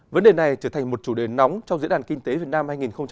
vấn đề này trở thành một chủ đề nóng trong diễn đàn kinh tế việt nam hai nghìn hai mươi